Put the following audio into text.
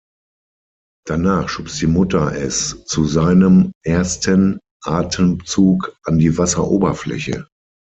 Danach schubst die Mutter es zu seinem ersten Atemzug an die Wasseroberfläche.